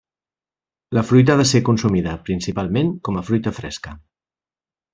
La fruita ha de ser consumida, principalment, com a fruita fresca.